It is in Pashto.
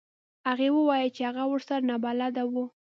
هغې وویل چې هغه ورسره نابلده و.